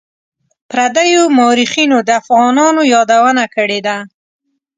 پردیو مورخینو د افغانانو یادونه کړې ده.